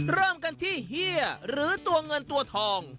เริ่มกันที่เฮียหรือตัวเงินตัวทอง